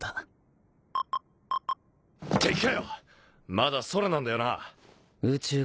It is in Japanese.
蕘まだ空なんだよな？